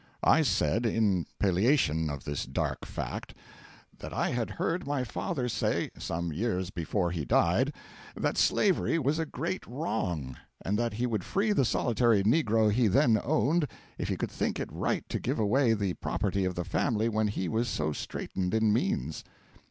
I said, in palliation of this dark fact, that I had heard my father say, some years before he died, that slavery was a great wrong, and that he would free the solitary Negro he then owned if he could think it right to give away the property of the family when he was so straitened in means.